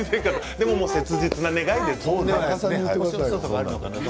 でも切実な願いですね。